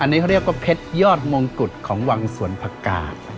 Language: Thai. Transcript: อันนี้เขาเรียกว่าเพชรยอดมงกุฎของวังสวนผักกาศ